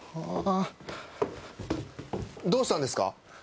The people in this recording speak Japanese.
どうしたんですか？